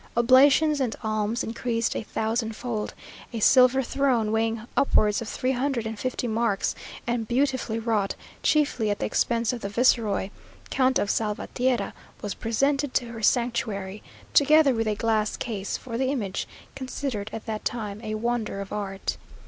Oblations and alms increased a thousand fold; a silver throne, weighing upwards of three hundred and fifty marks, and beautifully wrought, chiefly at the expense of the viceroy, Count of Salvatierra, was presented to her sanctuary, together with a glass case (for the image), considered at that time a wonder of art.